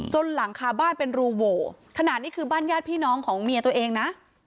หลังคาบ้านเป็นรูโหวขนาดนี้คือบ้านญาติพี่น้องของเมียตัวเองนะ